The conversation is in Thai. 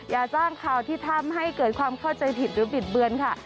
อย่าจ้างข่าวที่ทำให้เกิดความเข้าใจผิดหรือบิดเบือนค่ะ